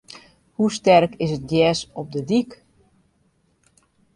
Hoe sterk is it gjers op de dyk?